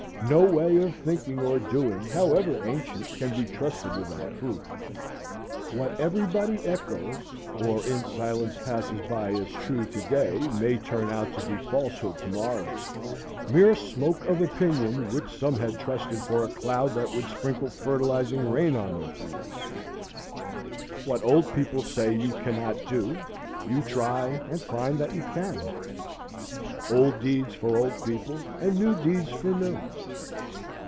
No way of thinking or doing, however ancient, can be trusted without proof. What everybody echoes or in silence passes by as true to day may turn out to be falsehood to morrow, mere smoke of opinion, which some had trusted for a cloud that would sprinkle fertilizing rain on their fields. What old people say you cannot do you try and find that you can. Old deeds for old people, and new deeds for new.